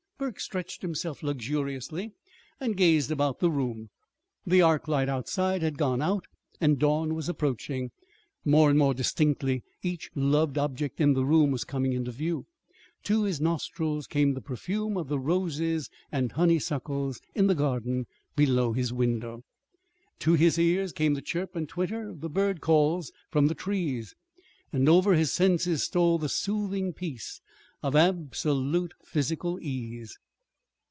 Burke stretched himself luxuriously and gazed about the room. The arc light outside had gone out and dawn was approaching. More and more distinctly each loved object in the room was coming into view. To his nostrils came the perfume of the roses and honeysuckles in the garden below his window. To his ears came the chirp and twitter of the bird calls from the trees. Over his senses stole the soothing peace of absolute physical ease.